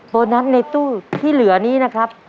โบนัสในตู้ที่เหลือนี้นะครับ